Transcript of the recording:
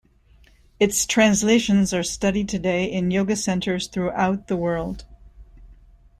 Its translations are studied today in Yoga Centers throughout the world.